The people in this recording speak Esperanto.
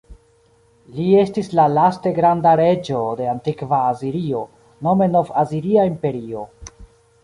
Li estis la laste granda reĝo de antikva Asirio, nome Nov-Asiria Imperio.